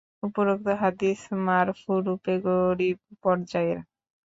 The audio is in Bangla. উপরোক্ত হাদীস মারফুরূপে গরীব পর্যায়ের।